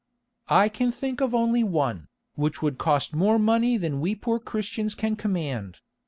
"I can think of only one, which would cost more money than we poor Christians can command.